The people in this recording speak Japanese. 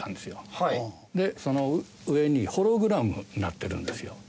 でその上にホログラムになってるんですよ。